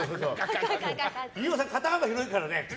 飯尾さん、肩幅広いからね。